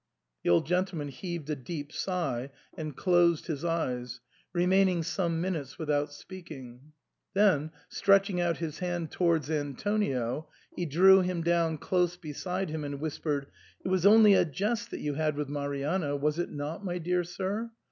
The old gentleman heaved a deep sigh and closed his eyes, remaining some minutes without speaking. Then, stretching out his hand towards Antonio, he drew him down close beside him, and whispered, " It was only a jest that you had with Marianna, was it not, my dear sir